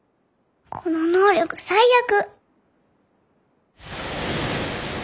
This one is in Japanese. この能力最悪！